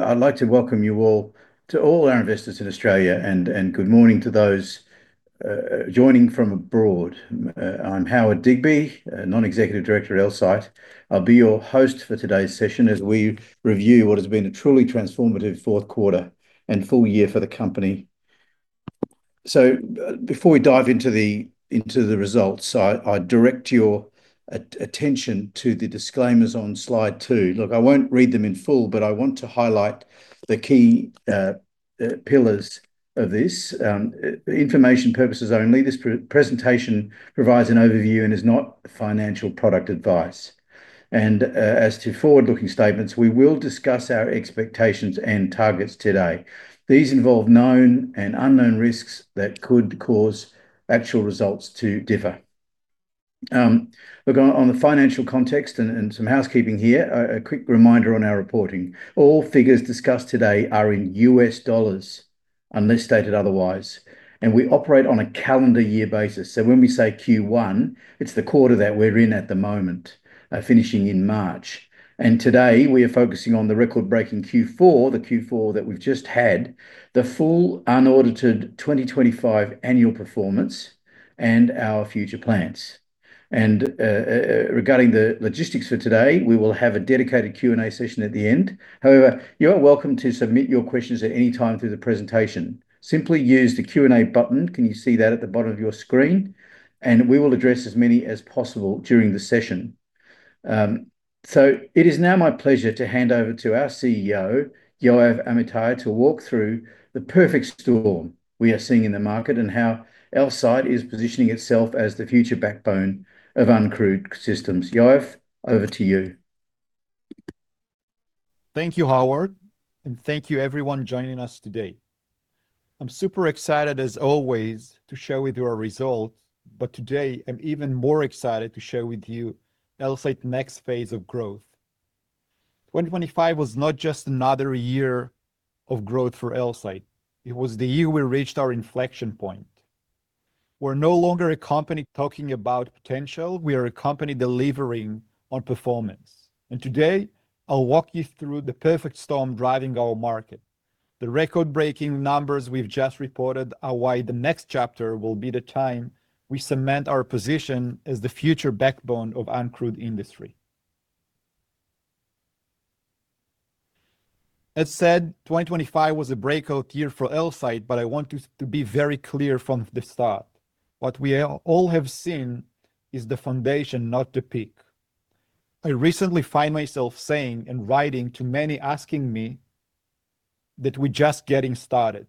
I'd like to welcome you all to all our investors in Australia, and good morning to those joining from abroad. I'm Howard Digby, a non-executive director at Elsight. I'll be your host for today's session as we review what has been a truly transformative fourth quarter and full year for the company. So before we dive into the results, I direct your attention to the disclaimers on slide 2. Look, I won't read them in full, but I want to highlight the key pillars of this. Information purposes only. This presentation provides an overview and is not financial product advice. And as to forward-looking statements, we will discuss our expectations and targets today. These involve known and unknown risks that could cause actual results to differ. Look, on the financial context and some housekeeping here, a quick reminder on our reporting. All figures discussed today are in U.S. dollars, unless stated otherwise, and we operate on a calendar year basis. So when we say Q1, it's the quarter that we're in at the moment, finishing in March. Today, we are focusing on the record-breaking Q4, the Q4 that we've just had, the full unaudited 2025 annual performance, and our future plans. Regarding the logistics for today, we will have a dedicated Q&A session at the end. However, you are welcome to submit your questions at any time through the presentation. Simply use the Q&A button. Can you see that at the bottom of your screen? We will address as many as possible during the session. So, it is now my pleasure to hand over to our CEO, Yoav Amitai, to walk through the perfect storm we are seeing in the market and how Elsight is positioning itself as the future backbone of uncrewed systems. Yoav, over to you. Thank you, Howard, and thank you everyone joining us today. I'm super excited, as always, to share with you our results, but today I'm even more excited to share with you Elsight's next phase of growth. 2025 was not just another year of growth for Elsight. It was the year we reached our inflection point. We're no longer a company talking about potential. We are a company delivering on performance. And today, I'll walk you through the perfect storm driving our market. The record-breaking numbers we've just reported are why the next chapter will be the time we cement our position as the future backbone of uncrewed industry. As said, 2025 was a breakout year for Elsight, but I want to be very clear from the start. What we all have seen is the foundation, not the peak. I recently find myself saying and writing to many, asking me that we're just getting started.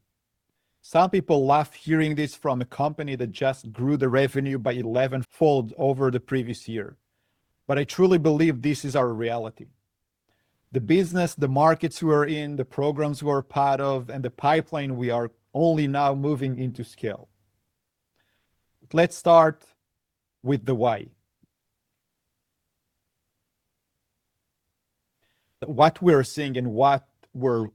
Some people laugh hearing this from a company that just grew the revenue by elevenfold over the previous year. But I truly believe this is our reality. The business, the markets we are in, the programs we are part of, and the pipeline, we are only now moving into scale. Let's start with the why. What we're seeing and what we're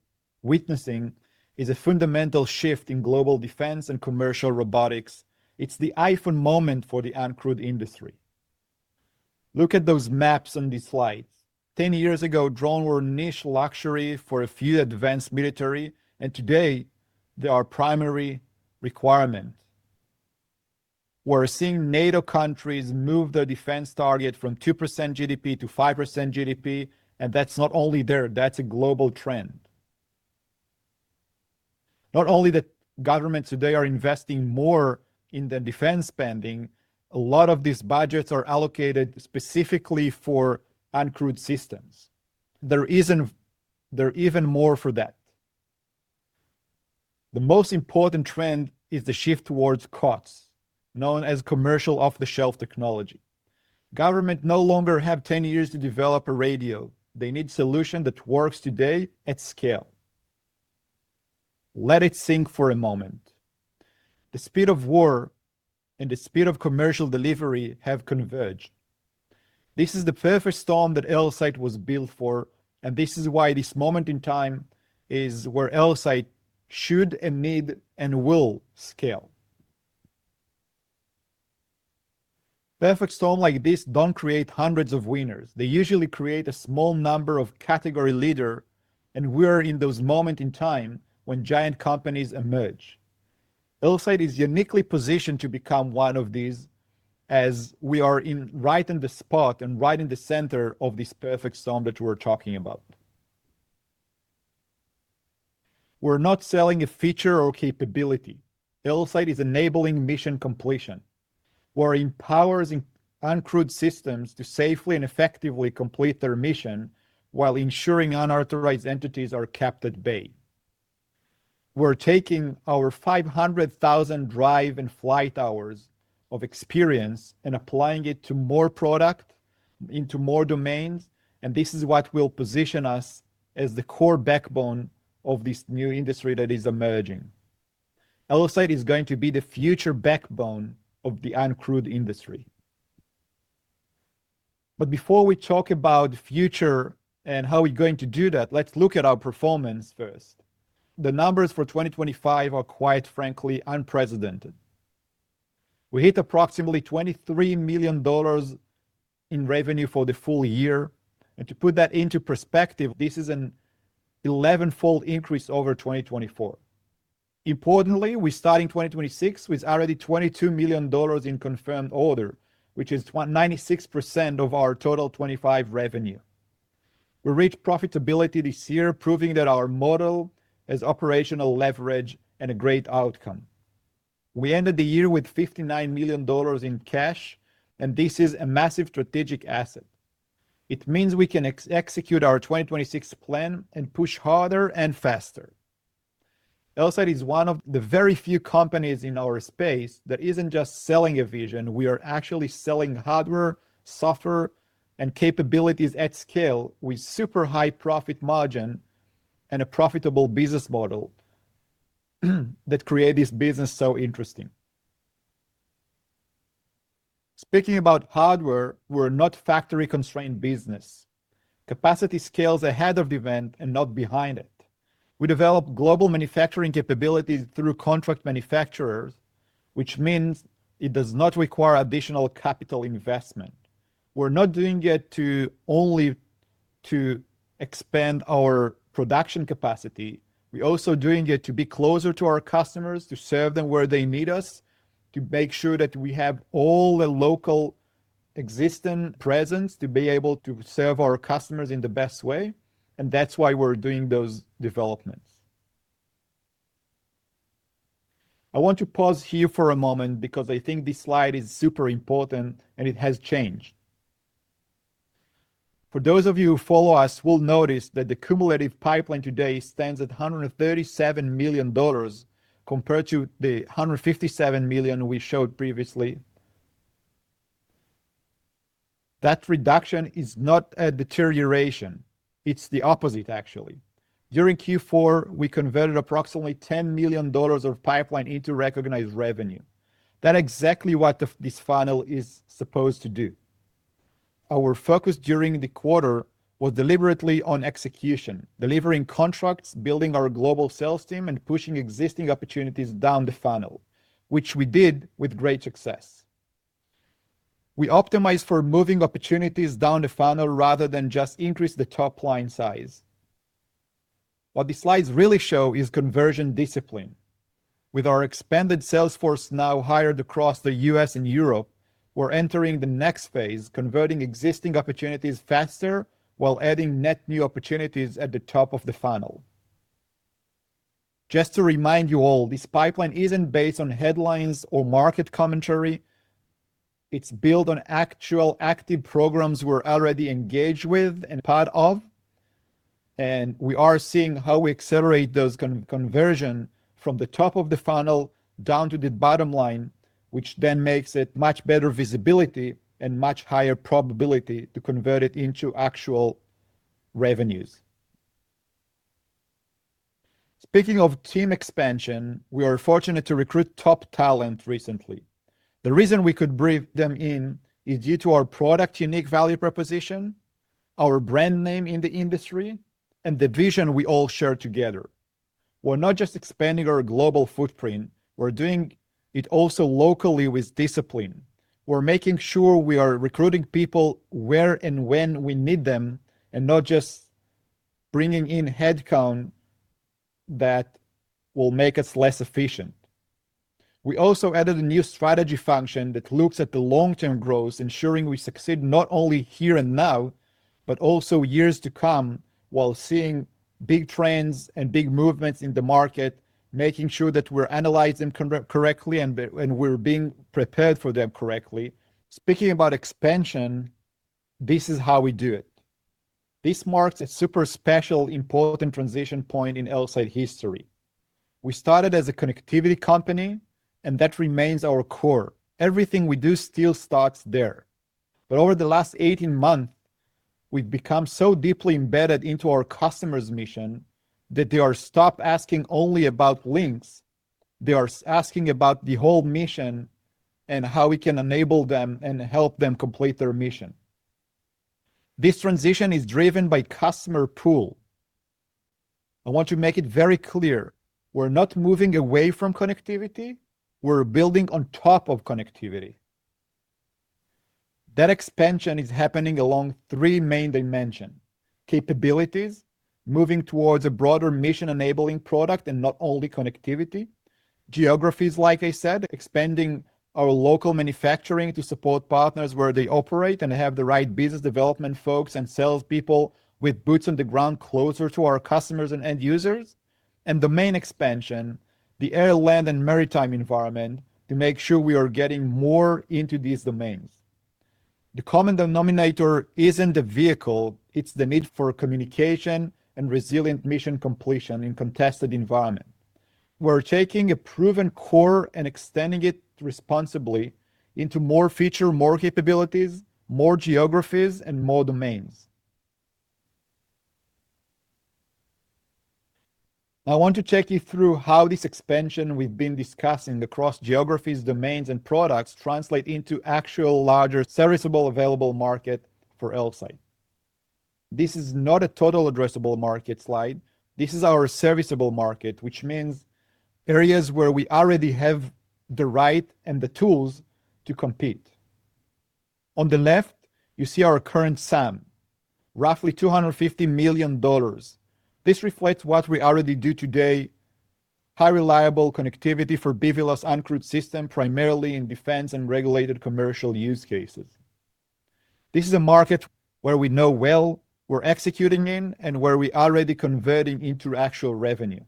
witnessing is a fundamental shift in global defense and commercial robotics. It's the iPhone moment for the uncrewed industry. Look at those maps on the slides. 10 years ago, drone were a niche luxury for a few advanced military, and today they are primary requirement. We're seeing NATO countries move their defense target from 2% GDP to 5% GDP, and that's not only there, that's a global trend. Not only the governments today are investing more in the defense spending, a lot of these budgets are allocated specifically for uncrewed systems. There are even more for that. The most important trend is the shift towards COTS, known as commercial off-the-shelf technology. Government no longer have 10 years to develop a radio. They need solution that works today at scale. Let it sink for a moment. The speed of war and the speed of commercial delivery have converged. This is the perfect storm that Elsight was built for, and this is why this moment in time is where Elsight should and need and will scale. Perfect storm like this don't create hundreds of winners. They usually create a small number of category leader, and we're in those moment in time when giant companies emerge. Elsight is uniquely positioned to become one of these, as we are in, right in the spot and right in the center of this perfect storm that we're talking about. We're not selling a feature or capability. Elsight is enabling mission completion. We're empowering uncrewed systems to safely and effectively complete their mission, while ensuring unauthorized entities are kept at bay. We're taking our 500,000 drive and flight hours of experience and applying it to more product, into more domains, and this is what will position us as the core backbone of this new industry that is emerging. Elsight is going to be the future backbone of the uncrewed industry. But before we talk about the future and how we're going to do that, let's look at our performance first. The numbers for 2025 are, quite frankly, unprecedented... We hit approximately $23 million in revenue for the full year, and to put that into perspective, this is an 11-fold increase over 2024. Importantly, we're starting 2026 with already $22 million in confirmed order, which is 96% of our total 2025 revenue. We reached profitability this year, proving that our model has operational leverage and a great outcome. We ended the year with $59 million in cash, and this is a massive strategic asset. It means we can execute our 2026 plan and push harder and faster. Elsight is one of the very few companies in our space that isn't just selling a vision, we are actually selling hardware, software, and capabilities at scale, with super high profit margin and a profitable business model, that create this business so interesting. Speaking about hardware, we're not factory-constrained business. Capacity scales ahead of the event and not behind it. We develop global manufacturing capabilities through contract manufacturers, which means it does not require additional capital investment. We're not doing it to only to expand our production capacity, we're also doing it to be closer to our customers, to serve them where they need us, to make sure that we have all the local existing presence to be able to serve our customers in the best way, and that's why we're doing those developments. I want to pause here for a moment because I think this slide is super important, and it has changed. For those of you who follow us, will notice that the cumulative pipeline today stands at $137 million compared to the $157 million we showed previously. That reduction is not a deterioration, it's the opposite, actually. During Q4, we converted approximately $10 million of pipeline into recognized revenue. That is exactly what this funnel is supposed to do. Our focus during the quarter was deliberately on execution, delivering contracts, building our global sales team, and pushing existing opportunities down the funnel, which we did with great success. We optimized for moving opportunities down the funnel rather than just increase the top-line size. What the slides really show is conversion discipline. With our expanded sales force now hired across the U.S. and Europe, we're entering the next phase, converting existing opportunities faster, while adding net new opportunities at the top of the funnel. Just to remind you all, this pipeline isn't based on headlines or market commentary, it's built on actual active programs we're already engaged with and part of, and we are seeing how we accelerate those conversion from the top of the funnel down to the bottom line, which then makes it much better visibility and much higher probability to convert it into actual revenues. Speaking of team expansion, we are fortunate to recruit top talent recently. The reason we could bring them in is due to our product unique value proposition, our brand name in the industry, and the vision we all share together. We're not just expanding our global footprint, we're doing it also locally with discipline. We're making sure we are recruiting people where and when we need them, and not just bringing in headcount that will make us less efficient. We also added a new strategy function that looks at the long-term growth, ensuring we succeed not only here and now, but also years to come, while seeing big trends and big movements in the market, making sure that we're analyzing them correctly, and we're being prepared for them correctly. Speaking about expansion, this is how we do it. This marks a super special, important transition point in Elsight history. We started as a connectivity company, and that remains our core. Everything we do still starts there. But over the last 18 months, we've become so deeply embedded into our customers' mission, that they've stopped asking only about links, they are asking about the whole mission and how we can enable them and help them complete their mission. This transition is driven by customer pull. I want to make it very clear, we're not moving away from connectivity, we're building on top of connectivity. That expansion is happening along three main dimension: capabilities, moving towards a broader mission-enabling product and not only connectivity. Geographies, like I said, expanding our local manufacturing to support partners where they operate and have the right business development folks and salespeople with boots on the ground closer to our customers and end users. And domain expansion, the air, land, and maritime environment, to make sure we are getting more into these domains. The common denominator isn't the vehicle, it's the need for communication and resilient mission completion in contested environment. We're taking a proven core and extending it responsibly into more feature, more capabilities, more geographies, and more domains. I want to take you through how this expansion we've been discussing across geographies, domains, and products translate into actual, larger, serviceable, available market for Elsight. This is not a total addressable market slide. This is our serviceable market, which means areas where we already have the right and the tools to compete. On the left, you see our current SAM, roughly $250 million. This reflects what we already do today: high reliable connectivity for BVLOS uncrewed system, primarily in defense and regulated commercial use cases. This is a market where we know well we're executing in, and where we're already converting into actual revenue.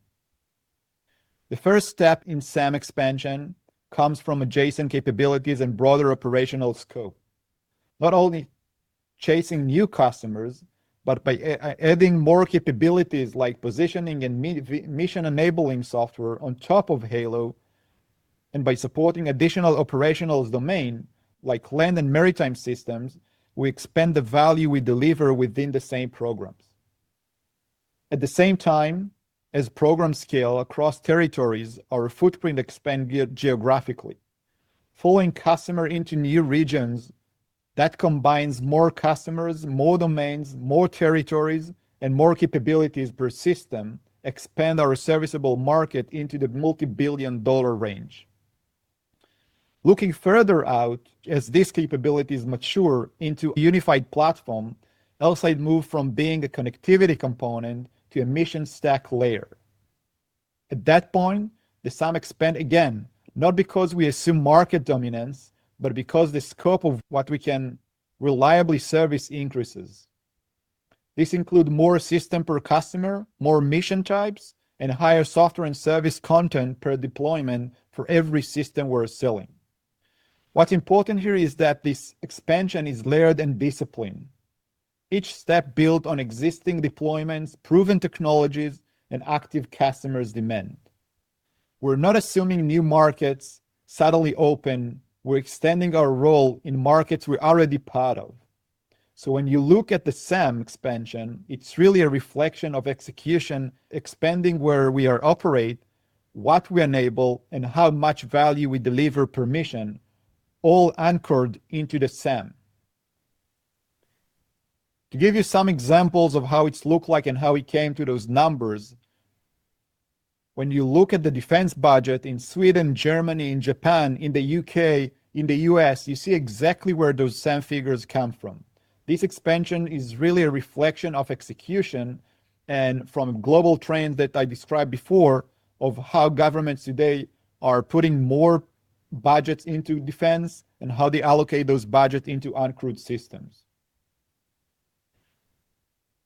The first step in SAM expansion comes from adjacent capabilities and broader operational scope. Not only chasing new customers, but by adding more capabilities like positioning and mission-enabling software on top of Halo, and by supporting additional operational domain, like land and maritime systems, we expand the value we deliver within the same programs. At the same time, as programs scale across territories, our footprint expand geographically, following customer into new regions. That combines more customers, more domains, more territories, and more capabilities per system, expand our serviceable market into the multi-billion dollar range. Looking further out, as these capabilities mature into a unified platform, Elsight move from being a connectivity component to a mission stack layer. At that point, the SAM expand again, not because we assume market dominance, but because the scope of what we can reliably service increases. This includes more systems per customer, more mission types, and higher software and service content per deployment for every system we're selling. What's important here is that this expansion is layered and disciplined. Each step builds on existing deployments, proven technologies, and active customers' demand. We're not assuming new markets suddenly open, we're extending our role in markets we're already part of. So when you look at the SAM expansion, it's really a reflection of execution, expanding where we operate, what we enable, and how much value we deliver per mission, all anchored in the SAM. To give you some examples of how it looks and how we came to those numbers, when you look at the defense budget in Sweden, Germany, and Japan, in the U.K., in the U.S., you see exactly where those same figures come from. This expansion is really a reflection of execution and from global trends that I described before, of how governments today are putting more budgets into defense and how they allocate those budget into uncrewed systems.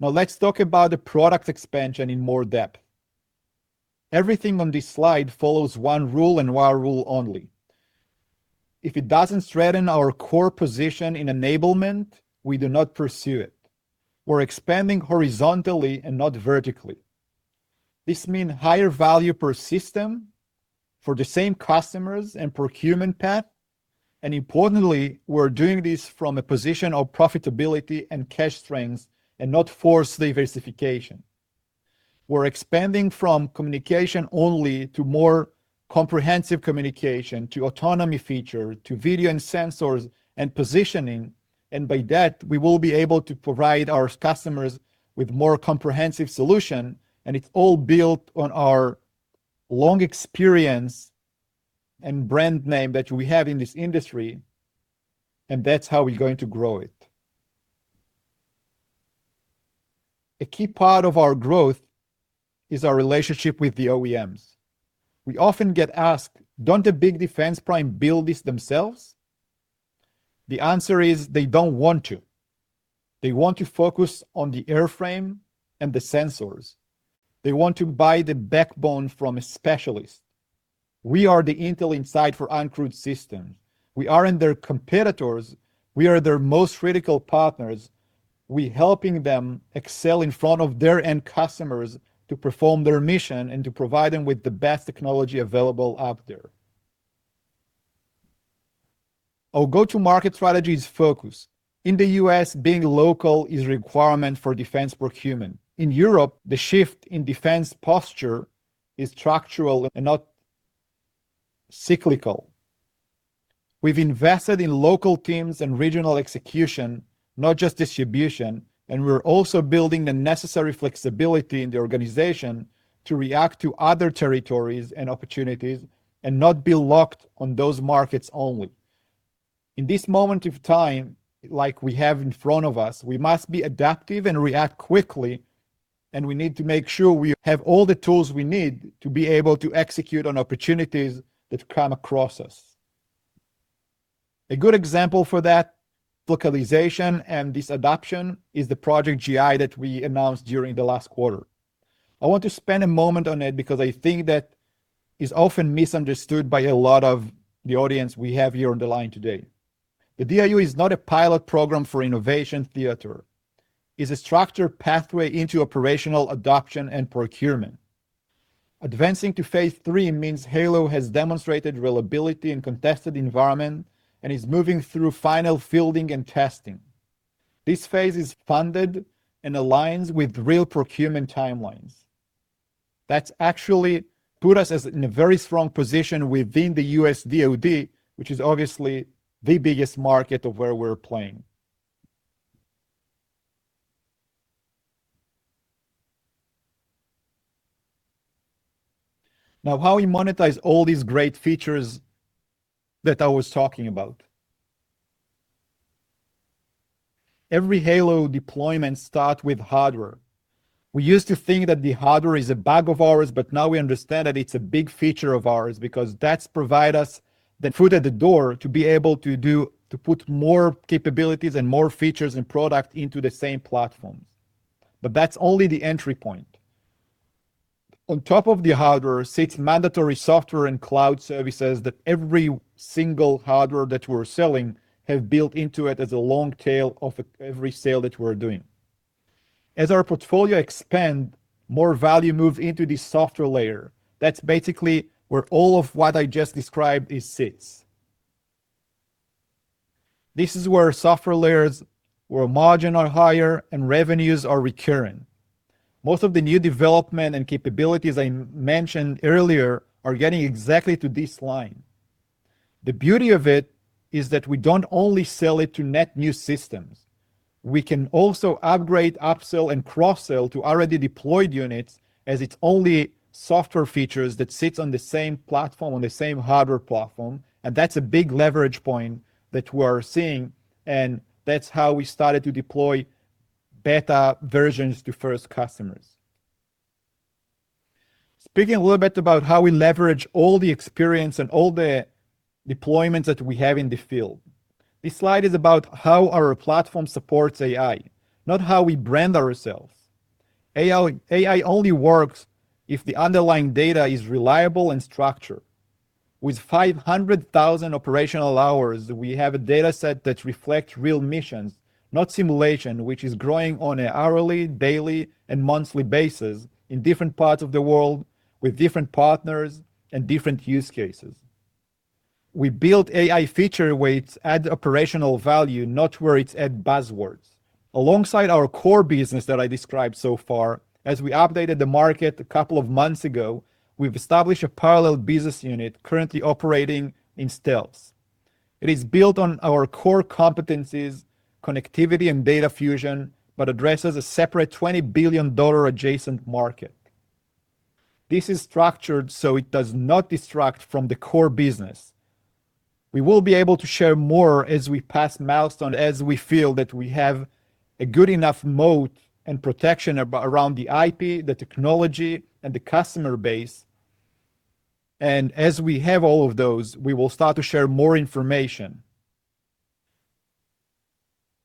Now, let's talk about the product expansion in more depth. Everything on this slide follows one rule and one rule only: if it doesn't threaten our core position in enablement, we do not pursue it. We're expanding horizontally and not vertically. This mean higher value per system for the same customers and procurement path, and importantly, we're doing this from a position of profitability and cash strength and not forced diversification. We're expanding from communication only to more comprehensive communication, to autonomy feature, to video and sensors and positioning, and by that, we will be able to provide our customers with more comprehensive solution, and it's all built on our long experience and brand name that we have in this industry, and that's how we're going to grow it. A key part of our growth is our relationship with the OEMs. We often get asked, "Don't the big defense prime build this themselves?" The answer is: they don't want to. They want to focus on the airframe and the sensors. They want to buy the backbone from a specialist. We are the Intel inside for uncrewed systems. We aren't their competitors, we are their most critical partners. We're helping them excel in front of their end customers to perform their mission and to provide them with the best technology available out there. Our go-to-market strategy is focused. In the U.S., being local is a requirement for defense procurement. In Europe, the shift in defense posture is structural and not cyclical. We've invested in local teams and regional execution, not just distribution, and we're also building the necessary flexibility in the organization to react to other territories and opportunities and not be locked on those markets only. In this moment of time, like we have in front of us, we must be adaptive and react quickly, and we need to make sure we have all the tools we need to be able to execute on opportunities that come across us. A good example for that localization and this adoption is the Project JI that we announced during the last quarter. I want to spend a moment on it because I think that is often misunderstood by a lot of the audience we have here on the line today. The DIU is not a pilot program for innovation theater. It's a structured pathway into operational adoption and procurement. Advancing to Phase 3 means Halo has demonstrated reliability in contested environment and is moving through final fielding and testing. This phase is funded and aligns with real procurement timelines. That's actually put us as in a very strong position within the U.S. DoD, which is obviously the biggest market of where we're playing. Now, how we monetize all these great features that I was talking about? Every Halo deployment start with hardware. We used to think that the hardware is a bug of ours, but now we understand that it's a big feature of ours because that's provide us the foot in the door to be able to put more capabilities and more features and product into the same platforms. But that's only the entry point. On top of the hardware sits mandatory software and cloud services that every single hardware that we're selling have built into it as a long tail of every sale that we're doing. As our portfolio expand, more value move into the software layer. That's basically where all of what I just described it sits. This is where software layers, where margin are higher, and revenues are recurring. Most of the new development and capabilities I mentioned earlier are getting exactly to this line. The beauty of it is that we don't only sell it to net new systems. We can also upgrade, upsell, and cross-sell to already deployed units, as it's only software features that sits on the same platform, on the same hardware platform, and that's a big leverage point that we are seeing, and that's how we started to deploy beta versions to first customers. Speaking a little bit about how we leverage all the experience and all the deployments that we have in the field. This slide is about how our platform supports AI, not how we brand ourselves. AI only works if the underlying data is reliable and structured. With 500,000 operational hours, we have a data set that reflect real missions, not simulation, which is growing on an hourly, daily, and monthly basis in different parts of the world with different partners and different use cases. We build AI feature where it adds operational value, not where it's add buzzwords. Alongside our core business that I described so far, as we updated the market a couple of months ago, we've established a parallel business unit currently operating in stealth. It is built on our core competencies, connectivity, and data fusion, but addresses a separate $20 billion adjacent market. This is structured so it does not distract from the core business. We will be able to share more as we pass milestone, as we feel that we have a good enough moat and protection around the IP, the technology, and the customer base. As we have all of those, we will start to share more information.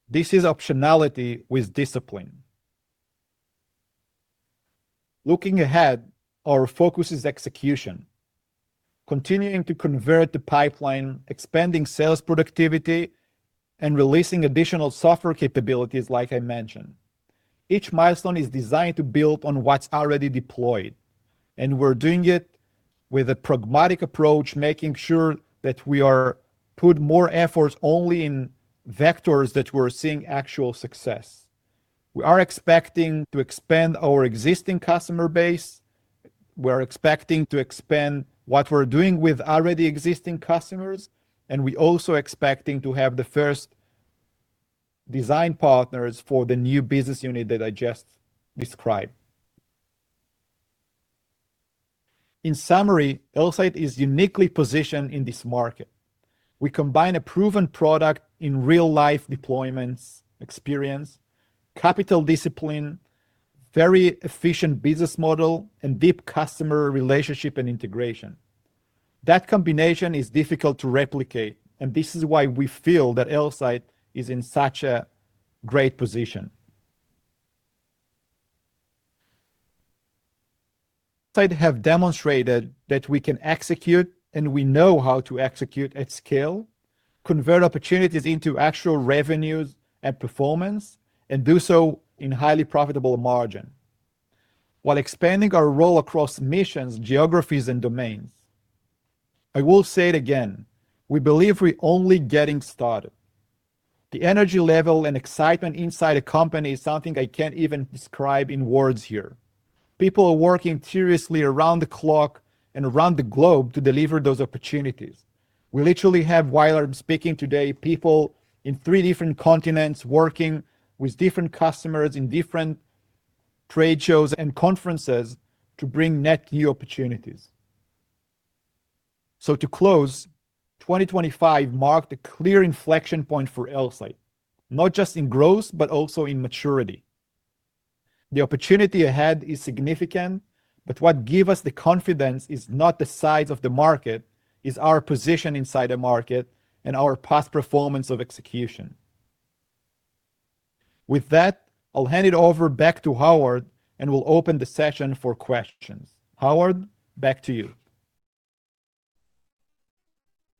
This is optionality with discipline. Looking ahead, our focus is execution, continuing to convert the pipeline, expanding sales productivity, and releasing additional software capabilities, like I mentioned. Each milestone is designed to build on what's already deployed, and we're doing it with a pragmatic approach, making sure that we are put more efforts only in vectors that we're seeing actual success. We are expecting to expand our existing customer base. We're expecting to expand what we're doing with already existing customers, and we also expecting to have the first design partners for the new business unit that I just described. In summary, Elsight is uniquely positioned in this market. We combine a proven product in real-life deployments, experience, capital discipline, very efficient business model, and deep customer relationship and integration. That combination is difficult to replicate, and this is why we feel that Elsight is in such a great position. Elsight have demonstrated that we can execute, and we know how to execute at scale, convert opportunities into actual revenues and performance, and do so in highly profitable margin, while expanding our role across missions, geographies, and domains. I will say it again, we believe we're only getting started. The energy level and excitement inside a company is something I can't even describe in words here. People are working tirelessly around the clock and around the globe to deliver those opportunities. We literally have, while I'm speaking today, people in three different continents working with different customers in different trade shows and conferences to bring net new opportunities. So to close, 2025 marked a clear inflection point for Elsight, not just in growth, but also in maturity. The opportunity ahead is significant, but what gives us the confidence is not the size of the market, is our position inside the market and our past performance of execution. With that, I'll hand it over back to Howard, and we'll open the session for questions. Howard, back to you.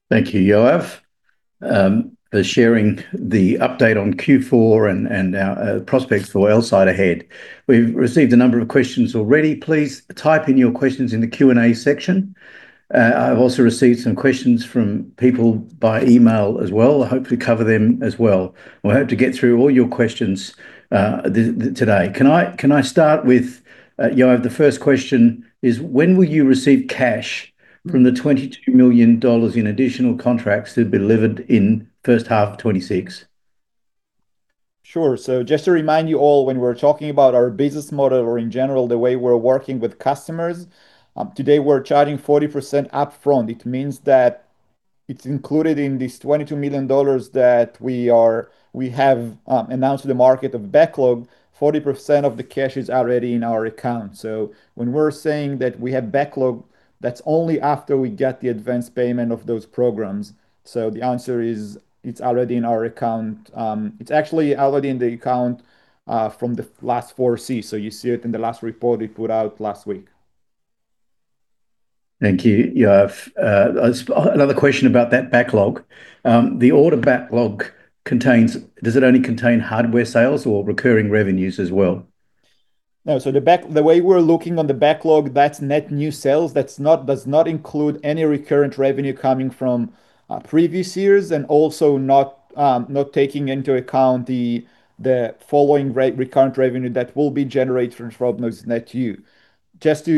Thank you, Yoav.... for sharing the update on Q4 and our prospects for Elsight ahead. We've received a number of questions already. Please type in your questions in the Q&A section. I've also received some questions from people by email as well. I hope to cover them as well. We hope to get through all your questions today. Can I start with Yoav, the first question is: When will you receive cash from the $22 million in additional contracts to be delivered in first half of 2026? Sure. So just to remind you all, when we're talking about our business model or in general, the way we're working with customers, today, we're charging 40% upfront. It means that it's included in this $22 million that we have announced to the market of backlog. 40% of the cash is already in our account. So when we're saying that we have backlog, that's only after we get the advanced payment of those programs. So the answer is, it's already in our account. It's actually already in the account from the last 4Q, so you see it in the last report we put out last week. Thank you, Yoav. Another question about that backlog. The order backlog contains-- Does it only contain hardware sales or recurring revenues as well? No. So the way we're looking on the backlog, that's net new sales. That's not does not include any recurring revenue coming from previous years, and also not taking into account the following recurring revenue that will be generated from those net new. Just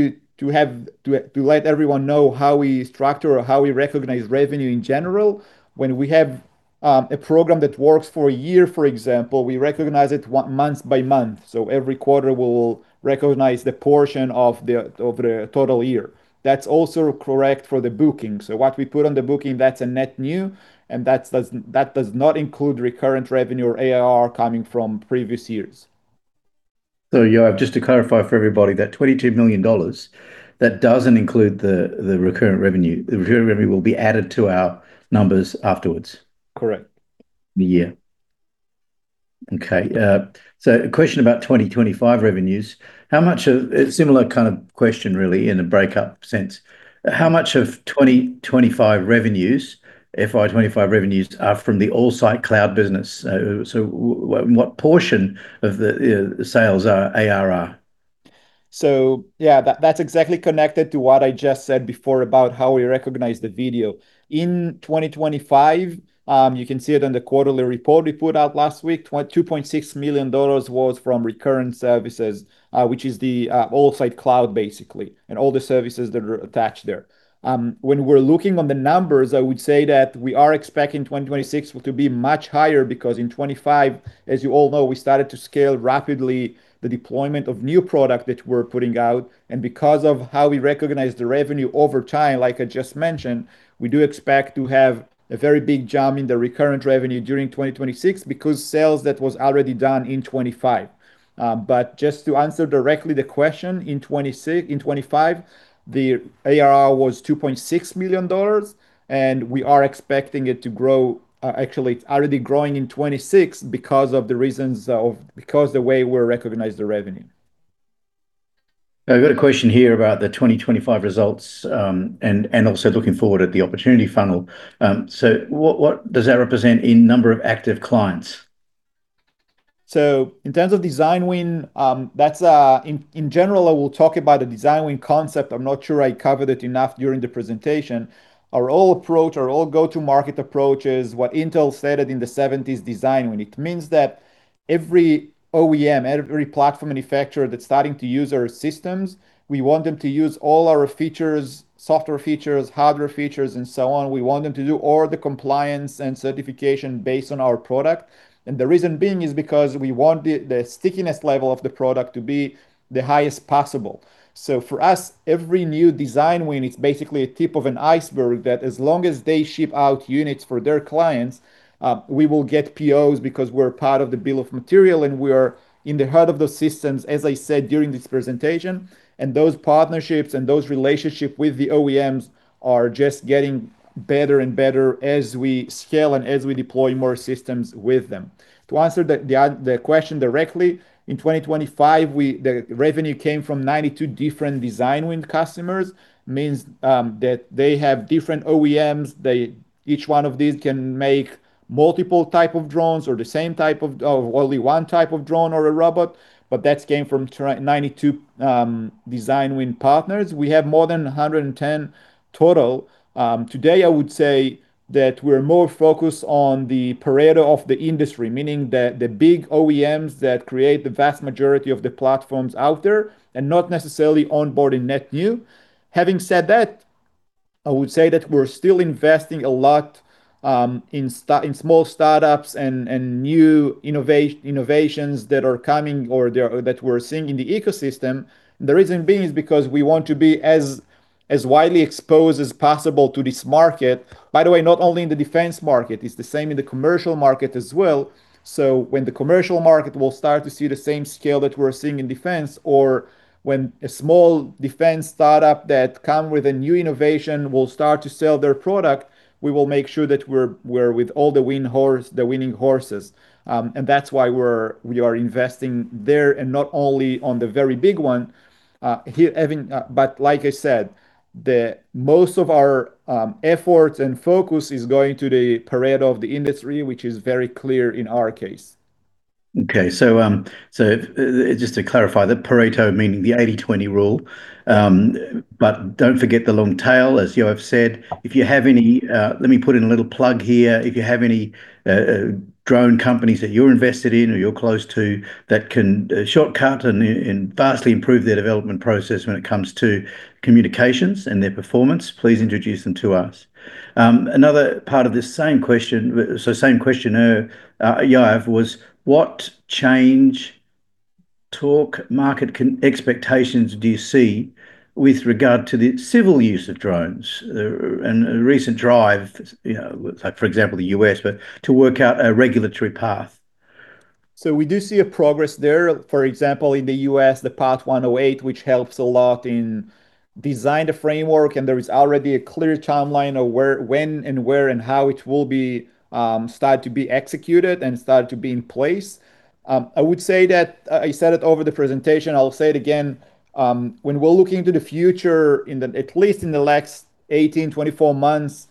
to let everyone know how we structure or how we recognize revenue in general, when we have a program that works for a year, for example, we recognize it month by month, so every quarter, we'll recognize the portion of the total year. That's also correct for the booking. So what we put on the booking, that's a net new, and that does not include recurring revenue or ARR coming from previous years. Yoav, just to clarify for everybody, that $22 million doesn't include the recurring revenue. The recurring revenue will be added to our numbers afterwards? Correct. Yeah. Okay, so a question about 2025 revenues. How much of... A similar kind of question, really, in a breakup sense. How much of 2025 revenues, FY 2025 revenues, are from the Elsight Cloud business? So what portion of the sales are ARR? So yeah, that's exactly connected to what I just said before about how we recognize the revenue. In 2025, you can see it on the quarterly report we put out last week, $2.6 million was from recurring services, which is the Elsight Cloud, basically, and all the services that are attached there. When we're looking on the numbers, I would say that we are expecting 2026 to be much higher because in 2025, as you all know, we started to scale rapidly the deployment of new product that we're putting out, and because of how we recognize the revenue over time, like I just mentioned, we do expect to have a very big jump in the recurring revenue during 2026 because sales that was already done in 2025. But just to answer directly the question, in 2025, the ARR was $2.6 million, and we are expecting it to grow. Actually, it's already growing in 2026 because of the reasons of, because the way we recognize the revenue. I've got a question here about the 2025 results, and also looking forward at the opportunity funnel. So what does that represent in number of active clients? So in terms of design win, in general, I will talk about the design win concept. I'm not sure I covered it enough during the presentation. Our old approach, our old go-to-market approach is what Intel stated in the 1970s, design win. It means that every OEM, every platform manufacturer that's starting to use our systems, we want them to use all our features, software features, hardware features, and so on. We want them to do all the compliance and certification based on our product. And the reason being is because we want the stickiness level of the product to be the highest possible. So for us, every new design win, it's basically a tip of an iceberg that as long as they ship out units for their clients, we will get POs because we're part of the bill of material, and we are in the heart of those systems, as I said, during this presentation, and those partnerships and those relationships with the OEMs are just getting better and better as we scale and as we deploy more systems with them. To answer the question directly, in 2025, the revenue came from 92 different design win customers. Means, that they have different OEMs. They each one of these can make multiple type of drones or the same type of only one type of drone or a robot, but that came from 92 design win partners. We have more than 110 total. Today, I would say that we're more focused on the Pareto of the industry, meaning the big OEMs that create the vast majority of the platforms out there and not necessarily onboarding net new. Having said that, I would say that we're still investing a lot in small startups and new innovations that are coming or there, that we're seeing in the ecosystem. The reason being is because we want to be as widely exposed as possible to this market. By the way, not only in the defense market, it's the same in the commercial market as well. So when the commercial market will start to see the same scale that we're seeing in defense, or when a small defense startup that come with a new innovation will start to sell their product, we will make sure that we're with all the winning horses. And that's why we are investing there and not only on the very big one here. But like I said, the most of our efforts and focus is going to the Pareto of the industry, which is very clear in our case.... Okay, so, so, just to clarify, the Pareto meaning the 80/20 rule. But don't forget the long tail. As Yoav said, if you have any...? Let me put in a little plug here. If you have any, drone companies that you're invested in or you're close to, that can shortcut and, and vastly improve their development process when it comes to communications and their performance, please introduce them to us. Another part of this same question, so same questioner, Yoav, was: what change, talk, market con- expectations do you see with regard to the civil use of drones? And a recent drive, you know, like for example, the U.S., but to work out a regulatory path. So we do see a progress there. For example, in the U.S., the Part 107, which helps a lot in design the framework, and there is already a clear timeline of where, when, and where, and how it will be start to be executed and start to be in place. I would say that, I said it over the presentation, I'll say it again, when we're looking to the future in the at least in the next 18-24 months,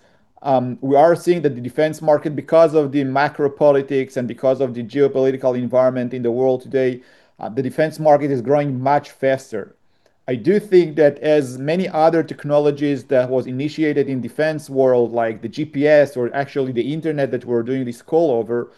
we are seeing that the defense market, because of the macro politics and because of the geopolitical environment in the world today, the defense market is growing much faster. I do think that as many other technologies that was initiated in the defense world, like the GPS or actually the internet that we're doing this call over,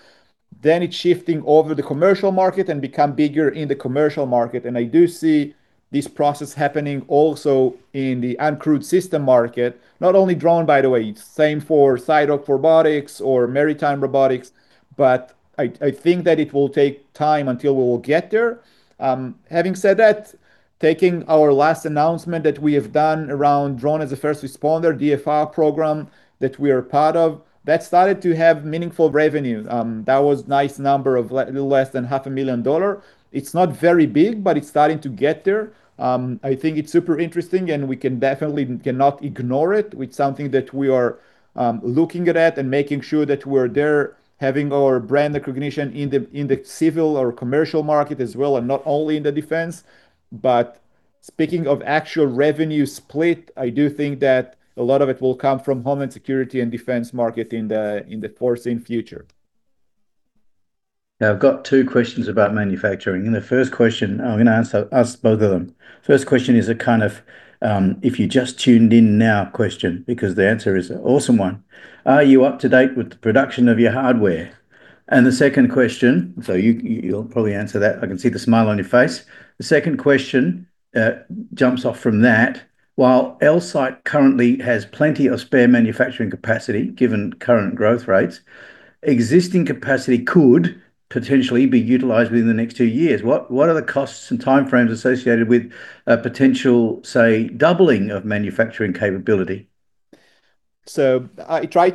then it's shifting over the commercial market and become bigger in the commercial market. I do see this process happening also in the uncrewed system market. Not only drone, by the way, same for sidewalk robotics or maritime robotics, but I think that it will take time until we will get there. Having said that, taking our last announcement that we have done around Drone as a First Responder, DFR program, that we are part of, that started to have meaningful revenue. That was a nice number, a little less than $500,000. It's not very big, but it's starting to get there. I think it's super interesting, and we can definitely cannot ignore it. It's something that we are looking at it and making sure that we're there, having our brand recognition in the civil or commercial market as well, and not only in the defense. But speaking of actual revenue split, I do think that a lot of it will come from homeland security and defense market in the foreseeable future. Now, I've got two questions about manufacturing, and the first question... I'm gonna answer, ask both of them. First question is a kind of, if you just tuned in now question, because the answer is an awesome one. Are you up to date with the production of your hardware? And the second question, so you, you'll probably answer that. I can see the smile on your face. The second question jumps off from that. While Elsight currently has plenty of spare manufacturing capacity, given current growth rates, existing capacity could potentially be utilized within the next two years. What are the costs and time frames associated with a potential, say, doubling of manufacturing capability? So I try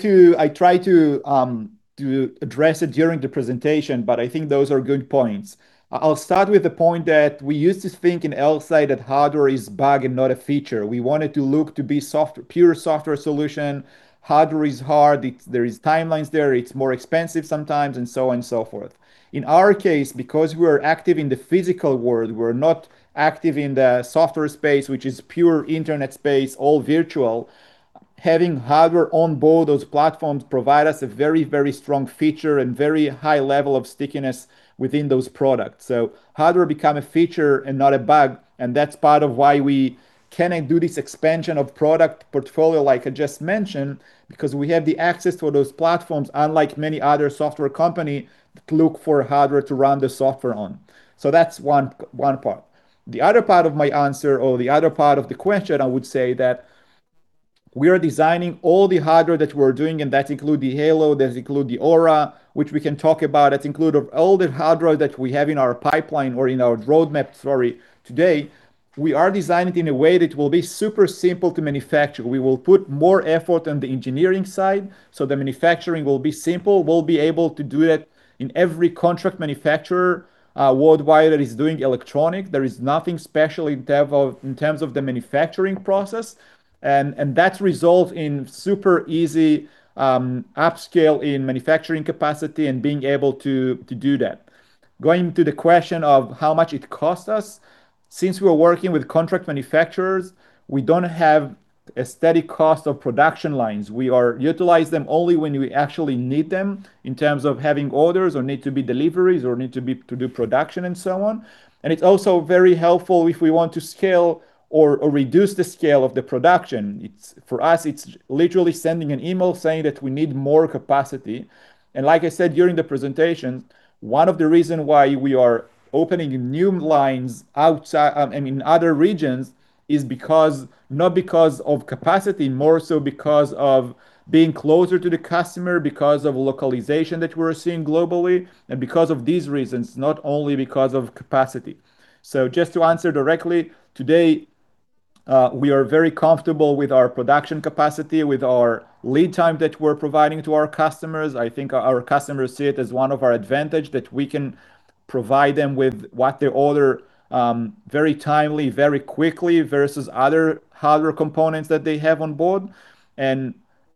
to address it during the presentation, but I think those are good points. I'll start with the point that we used to think in Elsight that hardware is bug and not a feature. We wanted to look to be software—pure software solution. Hardware is hard. It's—there is timelines there, it's more expensive sometimes, and so on and so forth. In our case, because we're active in the physical world, we're not active in the software space, which is pure internet space, all virtual. Having hardware on board those platforms provide us a very, very strong feature and very high level of stickiness within those products. So hardware become a feature and not a bug, and that's part of why we can do this expansion of product portfolio, like I just mentioned, because we have the access to those platforms, unlike many other software company, look for hardware to run the software on. So that's one, one part. The other part of my answer or the other part of the question, I would say that we are designing all the hardware that we're doing, and that include the Halo, that include the Aura, which we can talk about. That include of all the hardware that we have in our pipeline or in our roadmap, sorry. Today, we are designing it in a way that will be super simple to manufacture. We will put more effort on the engineering side, so the manufacturing will be simple. We'll be able to do it in every contract manufacturer worldwide that is doing electronics. There is nothing special in term of, in terms of the manufacturing process, and that result in super easy upscale in manufacturing capacity and being able to do that. Going to the question of how much it cost us, since we are working with contract manufacturers, we don't have a steady cost of production lines. We are utilize them only when we actually need them, in terms of having orders or need to be deliveries or need to be to do production and so on. It's also very helpful if we want to scale or reduce the scale of the production. It's for us, it's literally sending an email saying that we need more capacity. Like I said during the presentation, one of the reason why we are opening new lines outside, I mean, in other regions, is because, not because of capacity, more so because of being closer to the customer, because of localization that we're seeing globally and because of these reasons, not only because of capacity. So just to answer directly, today, we are very comfortable with our production capacity, with our lead time that we're providing to our customers. I think our customers see it as one of our advantage, that we can provide them with what they order, very timely, very quickly, versus other hardware components that they have on board.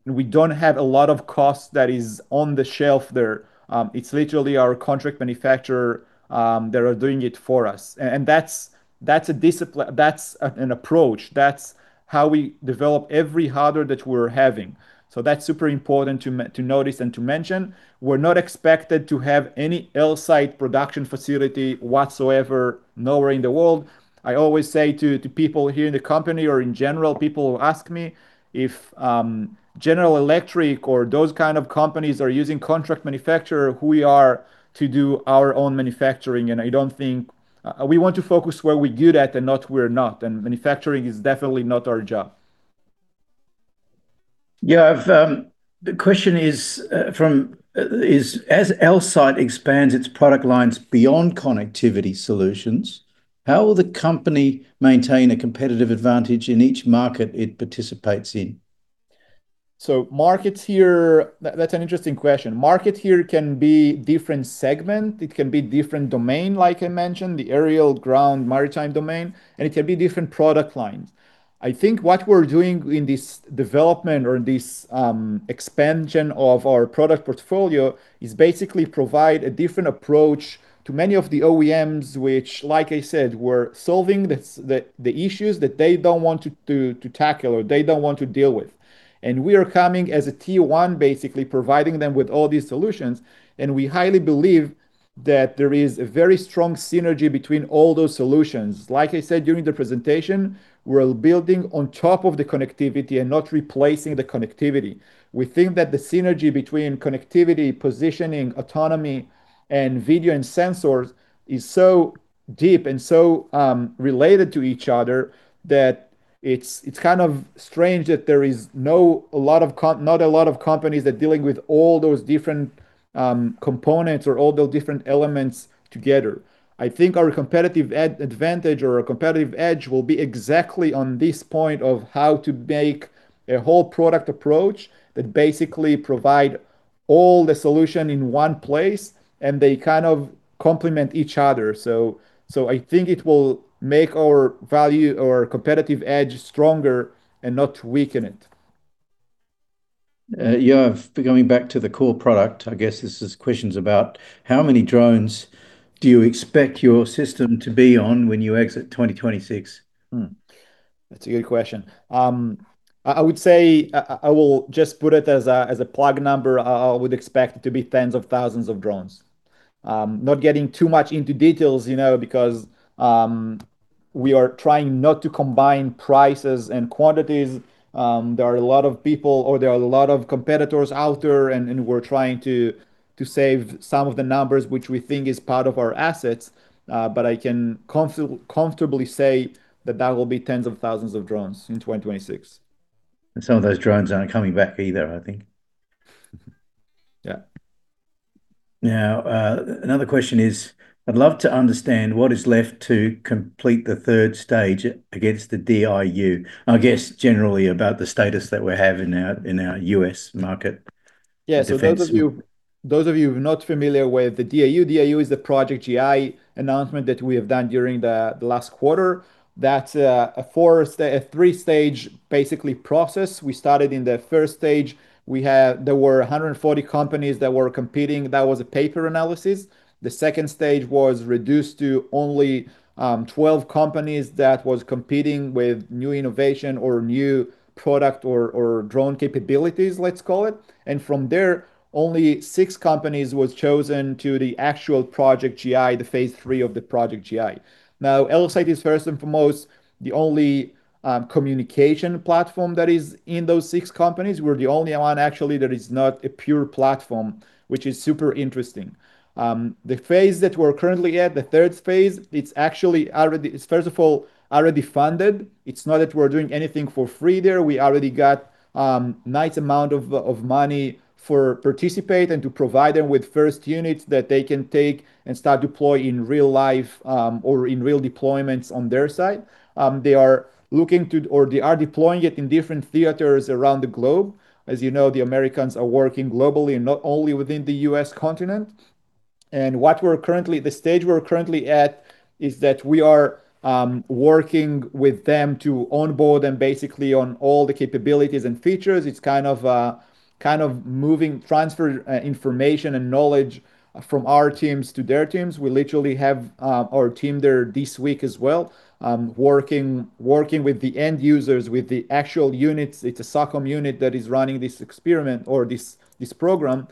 We don't have a lot of cost that is on the shelf there. It's literally our contract manufacturer. They are doing it for us, and that's, that's a discipline, that's an approach, that's how we develop every hardware that we're having. So that's super important to me, to notice and to mention. We're not expected to have any Elsight production facility whatsoever, nowhere in the world. I always say to people here in the company or in general, people who ask me if General Electric or those kind of companies are using contract manufacturer, who we are to do our own manufacturing, and I don't think we want to focus where we're good at and not where we're not, and manufacturing is definitely not our job. Yeah, the question is, as Elsight expands its product lines beyond connectivity solutions, how will the company maintain a competitive advantage in each market it participates in? So markets here, that's an interesting question. Market here can be different segment, it can be different domain, like I mentioned, the aerial, ground, maritime domain, and it can be different product lines. I think what we're doing in this development or in this expansion of our product portfolio is basically provide a different approach to many of the OEMs, which, like I said, we're solving the issues that they don't want to tackle or they don't want to deal with. And we are coming as a tier one, basically providing them with all these solutions, and we highly believe that there is a very strong synergy between all those solutions. Like I said, during the presentation, we're building on top of the connectivity and not replacing the connectivity. We think that the synergy between connectivity, positioning, autonomy, and video and sensors is so deep and so related to each other, that it's kind of strange that there is not a lot of companies that dealing with all those different components or all those different elements together. I think our competitive advantage or our competitive edge will be exactly on this point of how to make a whole product approach that basically provide all the solution in one place, and they kind of complement each other. So I think it will make our value or competitive edge stronger and not weaken it. Yeah, going back to the core product, I guess this is questions about how many drones do you expect your system to be on when you exit 2026? That's a good question. I would say, I will just put it as a plug number. I would expect it to be tens of thousands of drones. Not getting too much into details, you know, because we are trying not to combine prices and quantities. There are a lot of people or there are a lot of competitors out there, and we're trying to save some of the numbers, which we think is part of our assets. But I can comfortably say that that will be tens of thousands of drones in 2026. Some of those drones aren't coming back either, I think. Yeah. Now, another question is: I'd love to understand what is left to complete the third stage against the DIU. I guess generally about the status that we have in our U.S. market- Yeah -defense. So those of you, those of you who are not familiar with the DIU, DIU is the project GI announcement that we have done during the last quarter. That's a 3-stage basically process. We started in the first stage. There were 140 companies that were competing. That was a paper analysis. The second stage was reduced to only 12 companies that was competing with new innovation or new product or drone capabilities, let's call it. And from there, only 6 companies was chosen to the actual project GI, the phase 3 of the project GI. Now, Elsight is first and foremost, the only communication platform that is in those 6 companies. We're the only one actually, that is not a pure platform, which is super interesting. The phase that we're currently at, the third phase, it's actually already. It's first of all, already funded. It's not that we're doing anything for free there. We already got a nice amount of money for participate and to provide them with first units that they can take and start deploy in real life, or in real deployments on their side. They are looking to, or they are deploying it in different theaters around the globe. As you know, the Americans are working globally and not only within the U.S. continent. And what we're currently, the stage we're currently at, is that we are working with them to onboard them, basically on all the capabilities and features. It's kind of, kind of moving transfer information and knowledge from our teams to their teams. We literally have our team there this week as well, working with the end users, with the actual units. It's a SOCOM unit that is running this experiment or this program.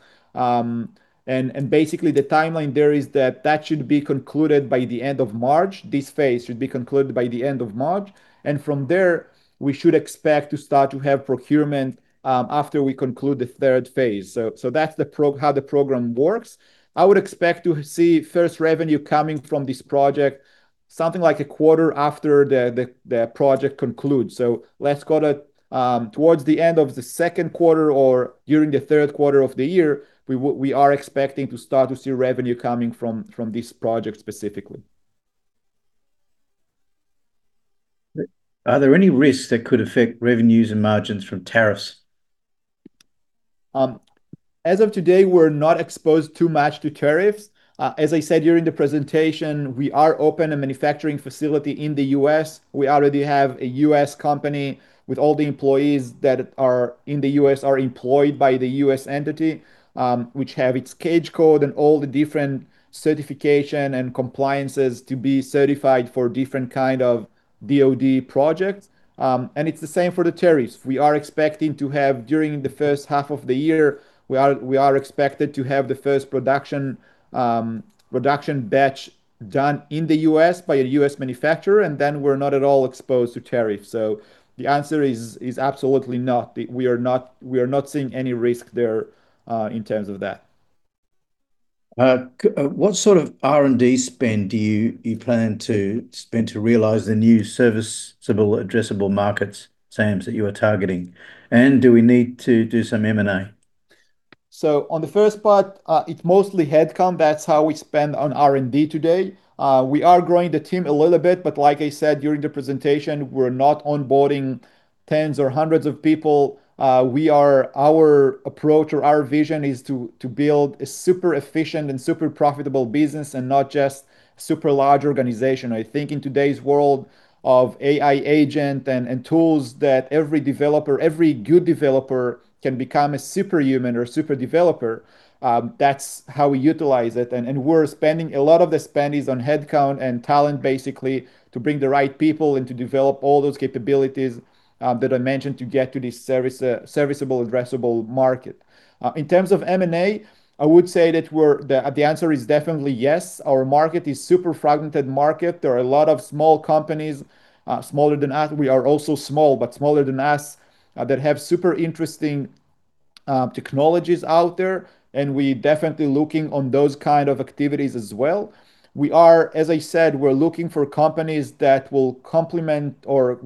And basically the timeline there is that that should be concluded by the end of March. This phase should be concluded by the end of March, and from there, we should expect to start to have procurement, after we conclude the third phase. So that's how the program works. I would expect to see first revenue coming from this project, something like a quarter after the project concludes. So let's call it, towards the end of the second quarter or during the third quarter of the year, we are expecting to start to see revenue coming from this project specifically. Are there any risks that could affect revenues and margins from tariffs?... as of today, we're not exposed too much to tariffs. As I said during the presentation, we are open a manufacturing facility in the U.S. We already have a U.S. company with all the employees that are in the U.S. are employed by the U.S. entity, which have its CAGE code and all the different certification and compliances to be certified for different kind of DoD projects. And it's the same for the tariffs. We are expecting to have, during the first half of the year, we are expected to have the first production batch done in the U.S. by a U.S. manufacturer, and then we're not at all exposed to tariffs. So the answer is absolutely not. We are not seeing any risk there, in terms of that. What sort of R&D spend do you plan to spend to realize the new serviceable addressable markets, SAMs, that you are targeting? And do we need to do some M&A? So on the first part, it's mostly headcount. That's how we spend on R&D today. We are growing the team a little bit, but like I said during the presentation, we're not onboarding tens or hundreds of people. Our approach or our vision is to build a super efficient and super profitable business, and not just super large organization. I think in today's world of AI agent and tools that every developer, every good developer can become a superhuman or super developer, that's how we utilize it. A lot of the spend is on headcount and talent, basically, to bring the right people in to develop all those capabilities that I mentioned, to get to this serviceable addressable market. In terms of M&A, I would say that the answer is definitely yes. Our market is super fragmented market. There are a lot of small companies, smaller than us, we are also small, but smaller than us, that have super interesting, technologies out there, and we definitely looking on those kind of activities as well. We are, as I said, we're looking for companies that will complement or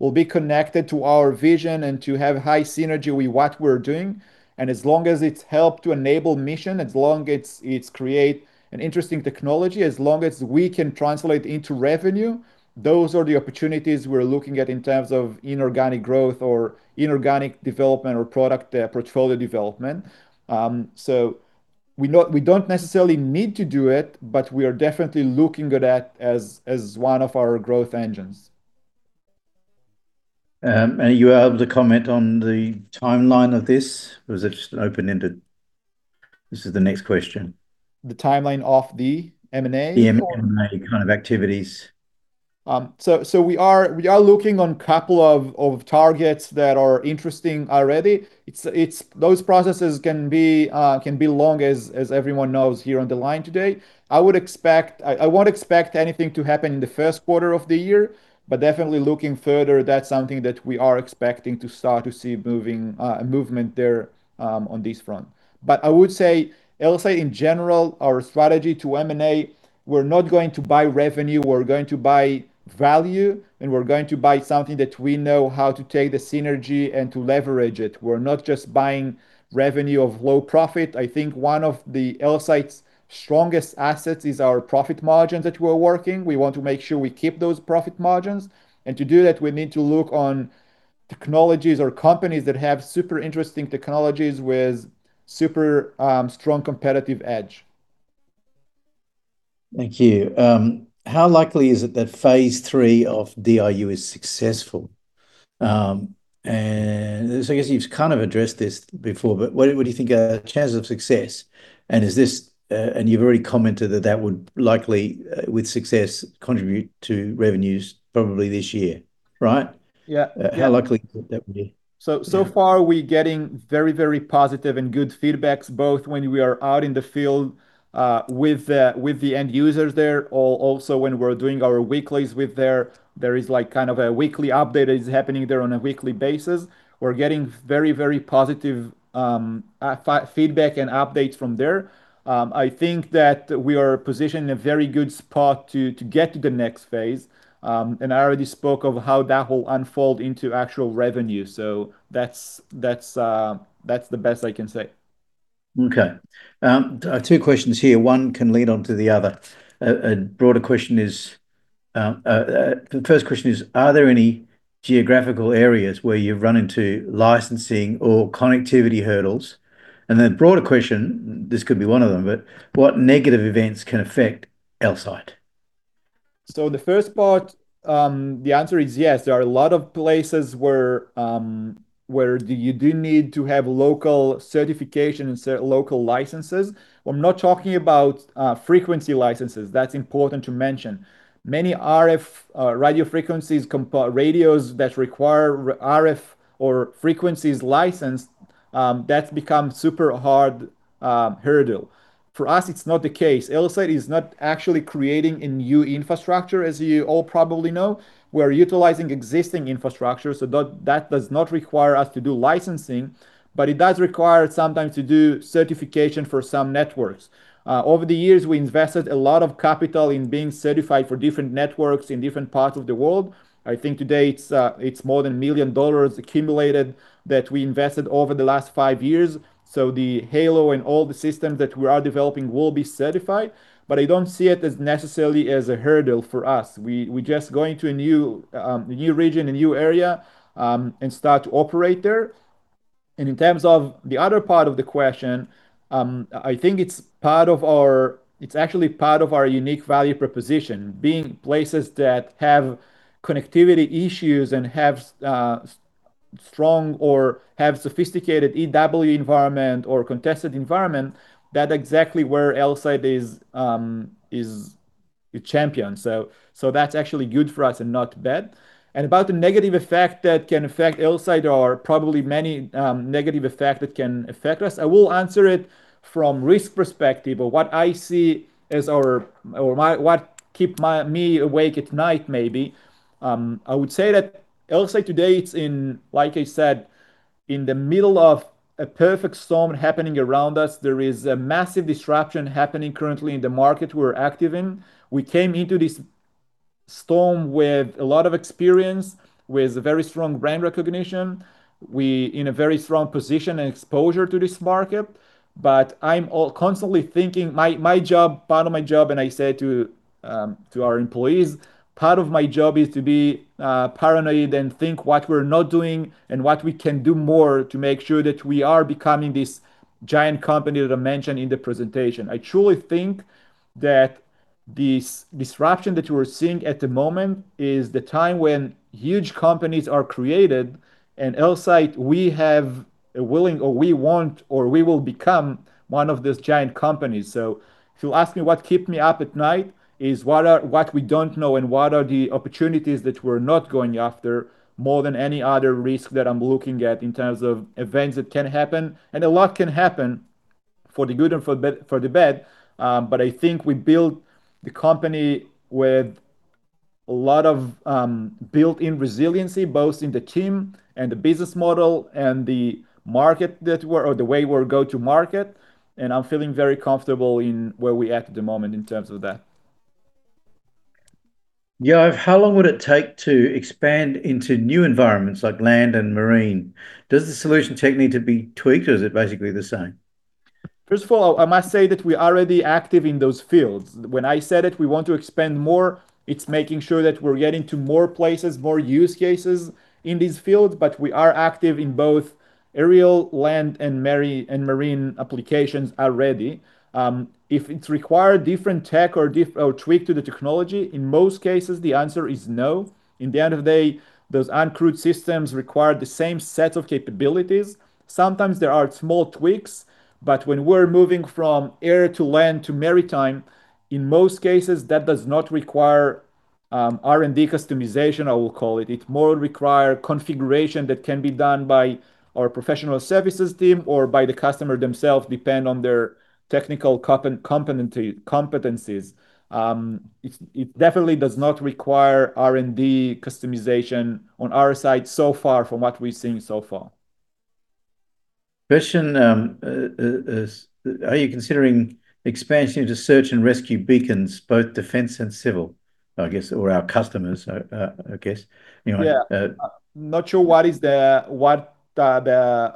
will be connected to our vision and to have high synergy with what we're doing, and as long as it's helped to enable mission, as long as it's create an interesting technology, as long as we can translate into revenue, those are the opportunities we're looking at in terms of inorganic growth or inorganic development or product, portfolio development. So we don't necessarily need to do it, but we are definitely looking at that as, one of our growth engines. Are you able to comment on the timeline of this, or is it just an open-ended...? This is the next question. The timeline of the M&A? The M&A kind of activities. So we are looking at a couple of targets that are interesting already. It's those processes can be long, as everyone knows here on the line today. I would expect I won't expect anything to happen in the first quarter of the year, but definitely looking further, that's something that we are expecting to start to see movement there on this front. But I would say, Elsight in general, our strategy to M&A, we're not going to buy revenue, we're going to buy value, and we're going to buy something that we know how to take the synergy and to leverage it. We're not just buying revenue of low profit. I think one of Elsight's strongest assets is our profit margins that we are working. We want to make sure we keep those profit margins, and to do that, we need to look on technologies or companies that have super interesting technologies with super, strong competitive edge. Thank you. How likely is it that Phase 3 of DIU is successful? And so I guess you've kind of addressed this before, but what do you think are the chances of success, and is this... And you've already commented that that would likely, with success, contribute to revenues probably this year, right? Yeah. Yeah. How likely is it that would be? So far we're getting very, very positive and good feedbacks, both when we are out in the field with the end users there, also when we're doing our weeklies with them. There is like kind of a weekly update happening there on a weekly basis. We're getting very, very positive feedback and updates from there. I think that we are positioned in a very good spot to get to the next phase. And I already spoke of how that will unfold into actual revenue. So that's the best I can say. Okay. Two questions here, one can lead on to the other. A broader question is, the first question is: Are there any geographical areas where you've run into licensing or connectivity hurdles? And the broader question, this could be one of them, but what negative events can affect Elsight? So the first part, the answer is yes, there are a lot of places where, where you do need to have local certification and local licenses. I'm not talking about, frequency licenses, that's important to mention. Many RF radio frequencies radios that require RF or frequency license, that's become super hard hurdle. For us, it's not the case. Elsight is not actually creating a new infrastructure, as you all probably know. We're utilizing existing infrastructure, so that, that does not require us to do licensing, but it does require sometimes to do certification for some networks. Over the years, we invested a lot of capital in being certified for different networks in different parts of the world. I think today it's, it's more than $1 million accumulated that we invested over the last five years. So the Halo and all the systems that we are developing will be certified, but I don't see it as necessarily as a hurdle for us. We just go into a new, a new region, a new area, and start to operate there. And in terms of the other part of the question, I think it's part of our- it's actually part of our unique value proposition. Being places that have connectivity issues and have strong or have sophisticated EW environment or contested environment, that exactly where Elsight is a champion. So, so that's actually good for us and not bad. And about the negative effect that can affect Elsight, are probably many negative effect that can affect us. I will answer it from risk perspective, or what I see as our... Or what keeps me awake at night, maybe. I would say that Elsight today, it's in, like I said, in the middle of a perfect storm happening around us. There is a massive disruption happening currently in the market we're active in. We came into this storm with a lot of experience, with very strong brand recognition. We're in a very strong position and exposure to this market, but I'm constantly thinking my job, part of my job, and I say to our employees, "Part of my job is to be paranoid and think what we're not doing and what we can do more to make sure that we are becoming this giant company that I mentioned in the presentation." I truly think that this disruption that you are seeing at the moment is the time when huge companies are created, and Elsight, we have a willing, or we want, or we will become one of these giant companies. So if you ask me what keep me up at night, is what we don't know, and what are the opportunities that we're not going after, more than any other risk that I'm looking at in terms of events that can happen. And a lot can happen, for the good and for the bad, for the bad. But I think we built the company with a lot of built-in resiliency, both in the team and the business model, and the market that we're or the way we're go to market, and I'm feeling very comfortable in where we at at the moment in terms of that. Yoav, how long would it take to expand into new environments like land and marine? Does the solution tech need to be tweaked, or is it basically the same? First of all, I must say that we are already active in those fields. When I said it, we want to expand more, it's making sure that we're getting to more places, more use cases in these fields, but we are active in both aerial, land, and marine, and marine applications already. If it require different tech or tweak to the technology, in most cases, the answer is no. In the end of the day, those uncrewed systems require the same set of capabilities. Sometimes there are small tweaks, but when we're moving from air to land to maritime, in most cases, that does not require R&D customization, I will call it. It more require configuration that can be done by our professional services team or by the customer themselves, depend on their technical competencies. It definitely does not require R&D customization on our side so far, from what we've seen so far. Question, are you considering expansion into search and rescue beacons, both defense and civil? I guess, or our customers, I guess. Anyway, Yeah. Not sure what whomever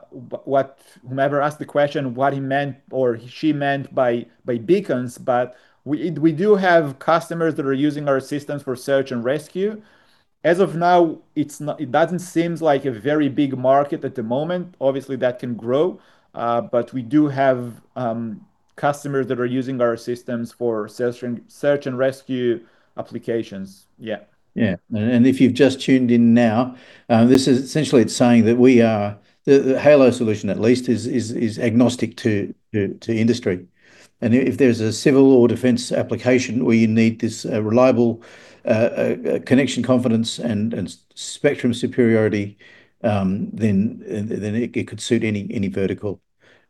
asked the question, what he meant or she meant by beacons, but we do have customers that are using our systems for search and rescue. As of now, it doesn't seems like a very big market at the moment. Obviously, that can grow, but we do have customers that are using our systems for search and rescue applications. Yeah. Yeah. And if you've just tuned in now, this is essentially it's saying that we are... the Halo solution, at least, is agnostic to industry. And if there's a civil or defense application where you need this reliable connection, confidence, and spectrum superiority, then it could suit any vertical.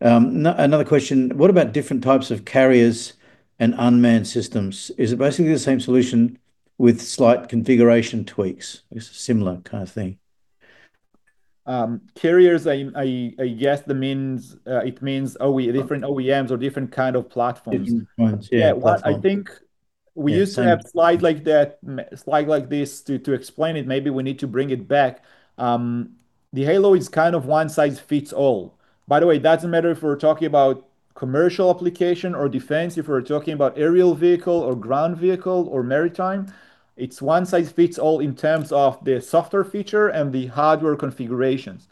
Another question: What about different types of carriers and unmanned systems? Is it basically the same solution with slight configuration tweaks? It's a similar kind of thing. Carriers are a yes, that means it means different OEMs or different kind of platforms. Different points, yeah, platform. Yeah. I think- Yeah, and-... we used to have slide like that, slide like this to explain it. Maybe we need to bring it back. The Halo is kind of one size fits all. By the way, doesn't matter if we're talking about commercial application or defense, if we're talking about aerial vehicle or ground vehicle or maritime, it's one size fits all in terms of the software feature and the hardware configurations.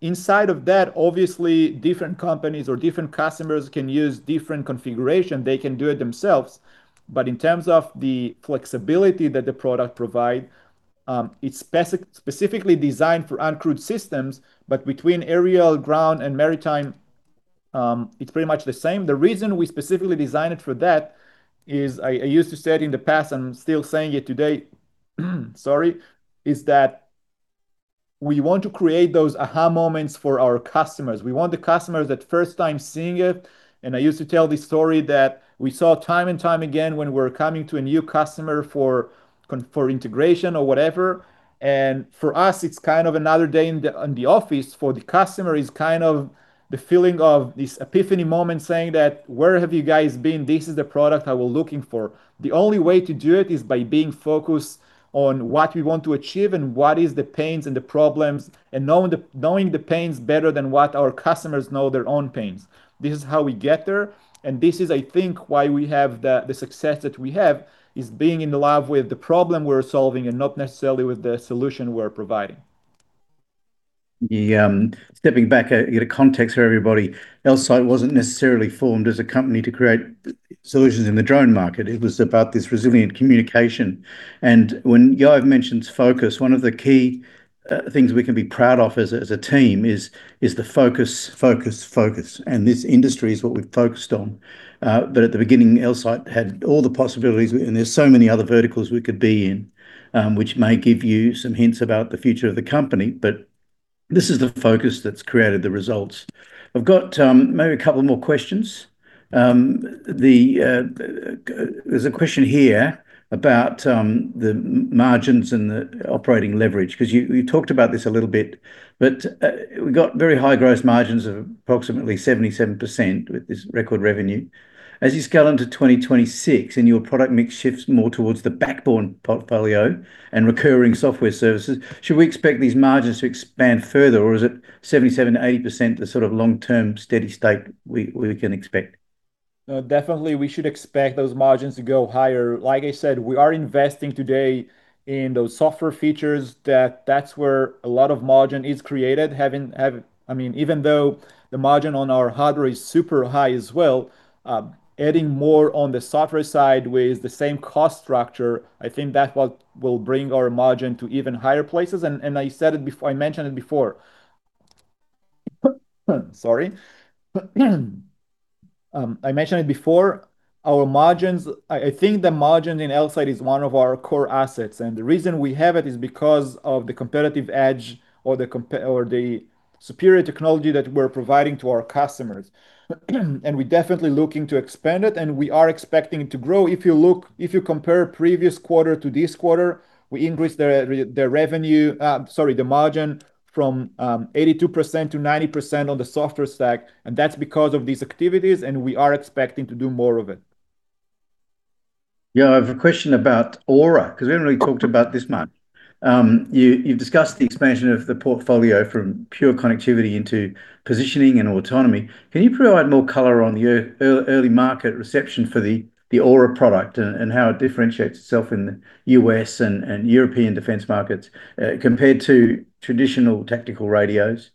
Inside of that, obviously, different companies or different customers can use different configuration. They can do it themselves, but in terms of the flexibility that the product provide, it's specifically designed for uncrewed systems, but between aerial, ground and maritime, it's pretty much the same. The reason we specifically designed it for that is, I used to say it in the past, and I'm still saying it today, sorry, is that we want to create those aha! moments for our customers. We want the customers that first time seeing it, and I used to tell this story that we saw time and time again when we're coming to a new customer for for integration or whatever, and for us, it's kind of another day in the office. For the customer, it's kind of the feeling of this epiphany moment, saying that, "Where have you guys been? This is the product I was looking for." The only way to do it is by being focused on what we want to achieve and what is the pains and the problems, and knowing the pains better than what our customers know their own pains. This is how we get there, and this is, I think, why we have the success that we have, is being in love with the problem we're solving and not necessarily with the solution we're providing. ... the, stepping back, you get a context for everybody. Elsight wasn't necessarily formed as a company to create solutions in the drone market. It was about this resilient communication, and when Yoav mentions focus, one of the key things we can be proud of as a team is the focus, focus, focus, and this industry is what we've focused on. But at the beginning, Elsight had all the possibilities, and there's so many other verticals we could be in, which may give you some hints about the future of the company, but this is the focus that's created the results. I've got, maybe a couple more questions. The, there's a question here about the margins and the operating leverage, 'cause you talked about this a little bit, but we've got very high gross margins of approximately 77% with this record revenue. As you scale into 2026, and your product mix shifts more towards the backbone portfolio and recurring software services, should we expect these margins to expand further, or is it 77%-80% the sort of long-term steady state we can expect? No, definitely we should expect those margins to go higher. Like I said, we are investing today in those software features that that's where a lot of margin is created. I mean, even though the margin on our hardware is super high as well, adding more on the software side with the same cost structure, I think that's what will bring our margin to even higher places, and I said it before. I mentioned it before. Sorry. I mentioned it before, our margins, I think the margins in Elsight is one of our core assets, and the reason we have it is because of the competitive edge or the superior technology that we're providing to our customers. And we're definitely looking to expand it, and we are expecting it to grow. If you compare previous quarter to this quarter, we increased the revenue, the margin from 82%-90% on the software stack, and that's because of these activities, and we are expecting to do more of it. Yeah, I have a question about Aura, 'cause we haven't really talked about this much. You've discussed the expansion of the portfolio from pure connectivity into positioning and autonomy. Can you provide more color on the early market reception for the Aura product and how it differentiates itself in the U.S. and European defense markets, compared to traditional tactical radios?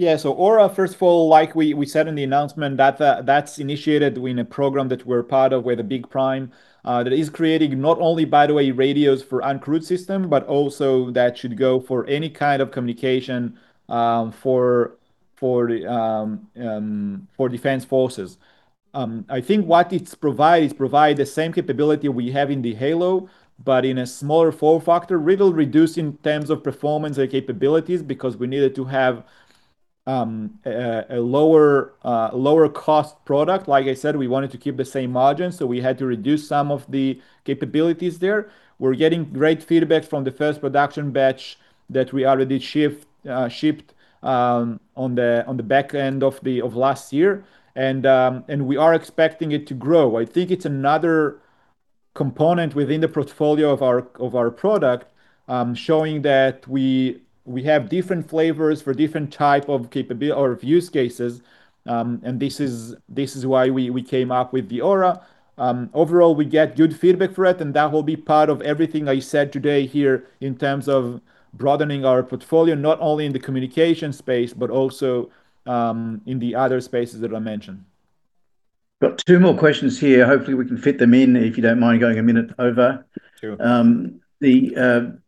Yeah. So Aura, first of all, like we said in the announcement, that's initiated in a program that we're part of, where the big prime that is creating not only, by the way, radios for uncrewed system, but also that should go for any kind of communication for defense forces. I think what it provides provide the same capability we have in the Halo, but in a smaller form factor. Little reduced in terms of performance and capabilities because we needed to have a lower cost product. Like I said, we wanted to keep the same margin, so we had to reduce some of the capabilities there. We're getting great feedback from the first production batch that we already shipped on the back end of last year, and we are expecting it to grow. I think it's another component within the portfolio of our product, showing that we have different flavors for different type of capability or use cases. And this is why we came up with the Aura. Overall, we get good feedback for it, and that will be part of everything I said today here in terms of broadening our portfolio, not only in the communication space, but also in the other spaces that I mentioned. Got two more questions here. Hopefully, we can fit them in, if you don't mind going a minute over. Sure. So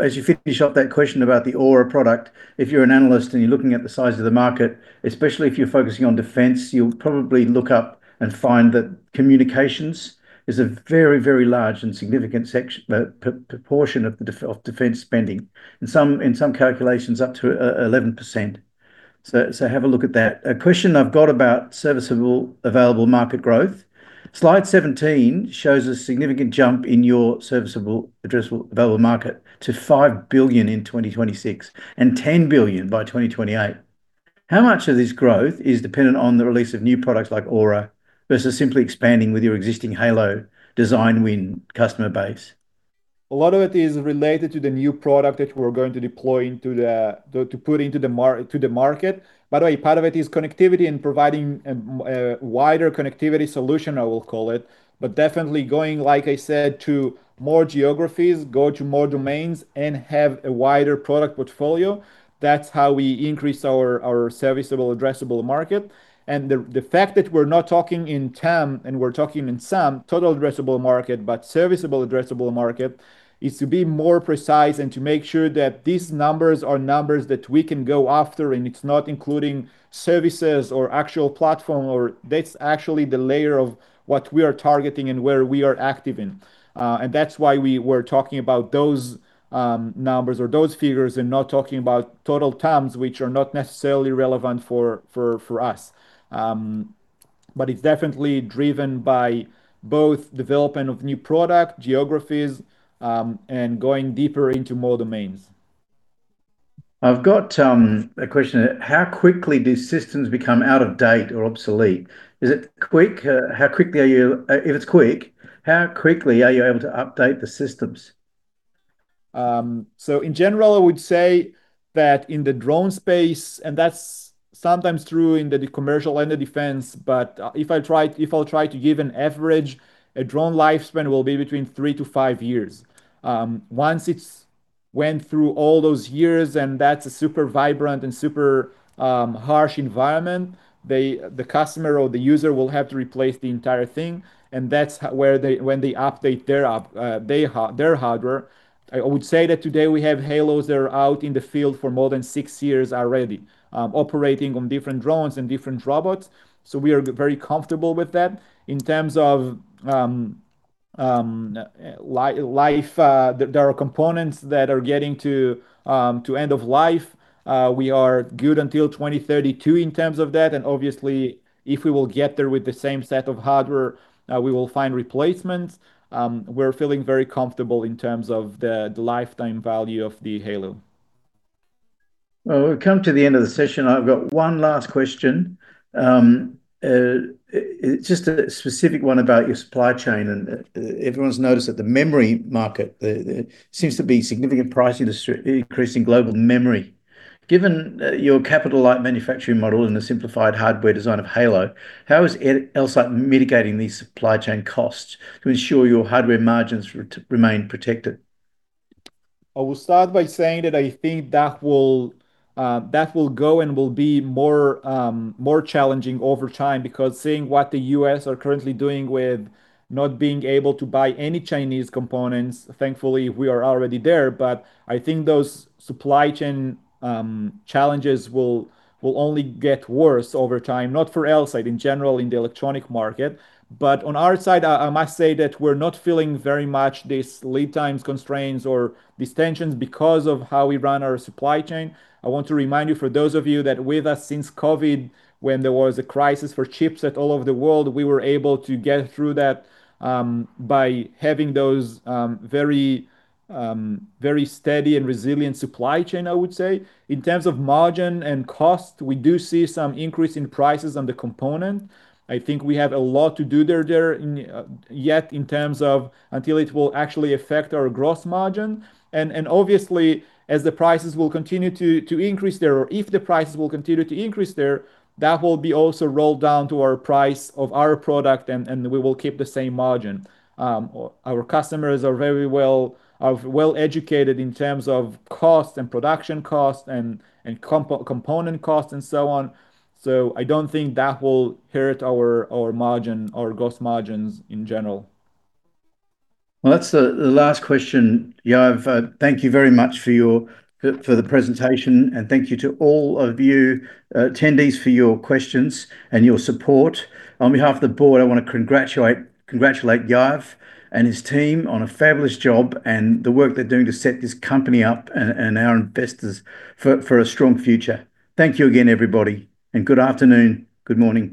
as you finish up that question about the Aura product, if you're an analyst and you're looking at the size of the market, especially if you're focusing on defense, you'll probably look up and find that communications is a very, very large and significant section, proportion of defense spending. In some calculations, up to 11%. So have a look at that. A question I've got about serviceable available market growth. Slide 17 shows a significant jump in your serviceable addressable available market to $5 billion in 2026 and $10 billion by 2028. How much of this growth is dependent on the release of new products like Aura versus simply expanding with your existing Halo design win customer base? A lot of it is related to the new product that we're going to deploy into the market. By the way, part of it is connectivity and providing a wider connectivity solution, I will call it, but definitely going, like I said, to more geographies, to more domains, and have a wider product portfolio. That's how we increase our serviceable addressable market, and the fact that we're not talking in TAM, and we're talking in SAM, total addressable market, but serviceable addressable market, is to be more precise and to make sure that these numbers are numbers that we can go after, and it's not including services or actual platform or... That's actually the layer of what we are targeting and where we are active in, and that's why we were talking about those numbers or those figures and not talking about total TAMs, which are not necessarily relevant for us. But it's definitely driven by both development of new product, geographies, and going deeper into more domains. I've got a question: How quickly do systems become out of date or obsolete? Is it quick? How quickly are you... if it's quick, how quickly are you able to update the systems? So in general, I would say that in the drone space, and that's sometimes true in the commercial and the defense, but if I'll try to give an average, a drone lifespan will be between 3-5 years. Once it went through all those years, and that's a super vibrant and super harsh environment, the customer or the user will have to replace the entire thing, and that's where they when they update their hardware. I would say that today we have Halos that are out in the field for more than 6 years already, operating on different drones and different robots, so we are very comfortable with that. In terms of life, there are components that are getting to end of life. We are good until 2032 in terms of that, and obviously, if we will get there with the same set of hardware, we will find replacements. We're feeling very comfortable in terms of the lifetime value of the Halo. Well, we've come to the end of the session. I've got one last question. It's just a specific one about your supply chain, and everyone's noticed that the memory market, there, there seems to be significant industry price increase in global memory. Given your capital light manufacturing model and the simplified hardware design of Halo, how is Elsight mitigating these supply chain costs to ensure your hardware margins remain protected? I will start by saying that I think that will go and will be more challenging over time, because seeing what the U.S. are currently doing with not being able to buy any Chinese components, thankfully, we are already there. But I think those supply chain challenges will only get worse over time. Not for Elsight, in general in the electronic market. But on our side, I must say that we're not feeling very much these lead times constraints or these tensions because of how we run our supply chain. I want to remind you, for those of you that with us since COVID, when there was a crisis for chips all over the world, we were able to get through that by having those very steady and resilient supply chain, I would say. In terms of margin and cost, we do see some increase in prices on the component. I think we have a lot to do there in terms of until it will actually affect our gross margin. And obviously, as the prices will continue to increase there, or if the prices will continue to increase there, that will be also rolled down to our price of our product, and we will keep the same margin. Our customers are very well-educated in terms of cost and production cost and component cost, and so on. So I don't think that will hurt our margin, our gross margins in general. Well, that's the last question, Yoav. Thank you very much for your presentation, and thank you to all of you, attendees, for your questions and your support. On behalf of the board, I want to congratulate Yoav and his team on a fabulous job and the work they're doing to set this company up, and our investors for a strong future. Thank you again, everybody, and good afternoon, good morning.